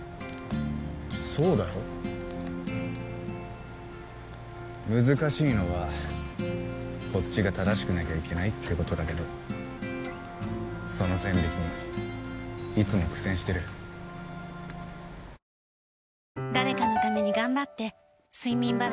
そうだよ難しいのはこっちが正しくなきゃいけないってことだけどその線引きにいつも苦戦してるお前は？